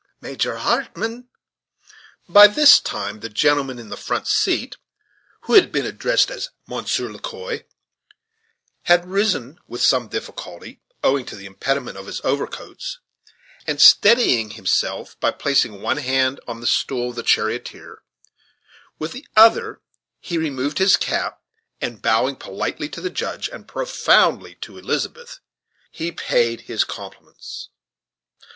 Major Hartmann." By this time the gentleman in the front seat, who had been addressed as Monsieur Le Quoi, had arisen with some difficulty, owing to the impediment of his overcoats, and steadying himself by placing one hand on the stool of the charioteer, with the other he removed his cap, and bowing politely to the Judge and profoundly to Elizabeth, he paid his compliments.